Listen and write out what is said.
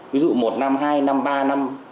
ví dụ một năm hai năm ba năm